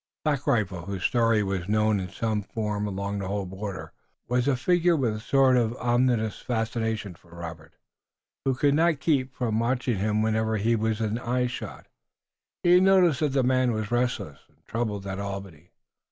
Black Rifle, whose story was known in some form along the whole border, was a figure with a sort of ominous fascination for Robert, who could not keep from watching him whenever he was within eye shot. He had noticed that the man was restless and troubled at Albany.